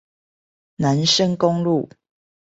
南深公路